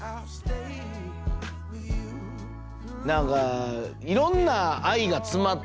何かいろんな愛が詰まってました。